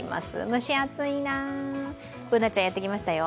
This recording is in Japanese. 蒸し暑いな、Ｂｏｏｎａちゃん、やってきましたよ。